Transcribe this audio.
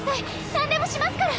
なんでもしますから。